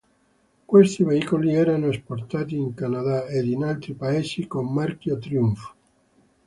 Questi veicoli erano esportati in Canada ed in altri paesi con marchio Triumph.